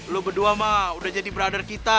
lo berdua mah udah jadi brother kita